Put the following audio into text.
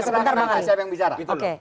sebentar bang ali